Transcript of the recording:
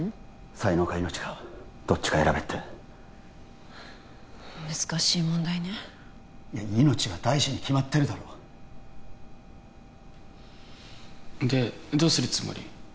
「才能か命かどっちか選べ」って難しい問題ね命が大事に決まってるだろでどうするつもり？